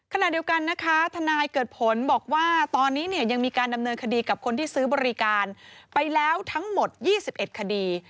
ขณะเดียวกันนะคะทนายเกิดผลบอกว่าตอนนี้เนี่ยยังมีการดำเนินคดีกับคนที่ซื้อบริการไปแล้วทั้งหมด๒๑คดี